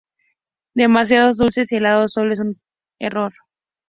Demasiados dulces y helados. Sólo es un error.